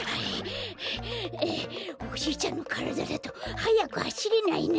ゼエゼエおじいちゃんのからだだとはやくはしれないな。